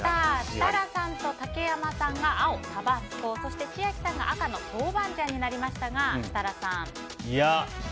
設楽さんと竹山さんが青、タバスコそして、千秋さんが赤の豆板醤になりましたが設楽さん。